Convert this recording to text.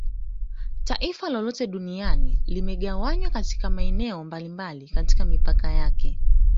Taifa lolote duniani limegawanywa katika maeneo mbalimbali katika mipaka yake